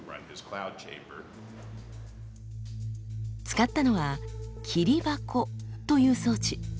使ったのは「霧箱」という装置。